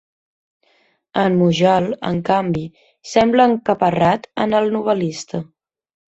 El Mujal, en canvi, sembla encaparrat en el novel·lista.